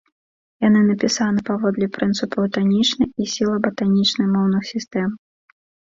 Яны напісаны паводле прынцыпаў танічнай і сілаба-танічнай моўных сістэм.